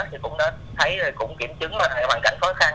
thì cũng thấy cũng kiểm chứng mọi người bằng cảnh khó khăn